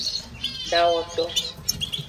Dawoto.